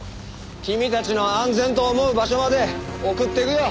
君たちの安全と思う場所まで送っていくよ。